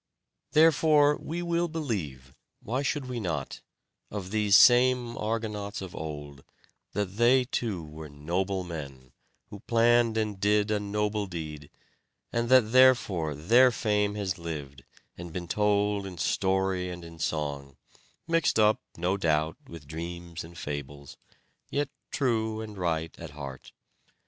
Therefore we will believe why should we not of these same Argonauts of old, that they, too, were noble men, who planned and did a noble deed; and that therefore their fame has lived, and been told in story and in song, mixed up, no doubt, with dreams and fables, yet true and right at heart.